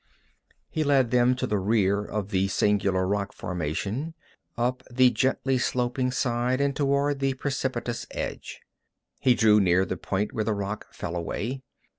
He led them to the rear of the singular rock formation, up the gently sloping side, and toward the precipitous edge. He drew near the point where the rock fell away.